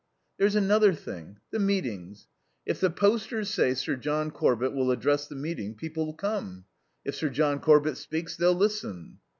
"There's another thing the meetings. If the posters say Sir John Corbett will address the meeting people'll come. If Sir John Corbett speaks they'll listen."